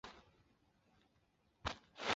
这是皮泽建造的唯一一座铁路车站。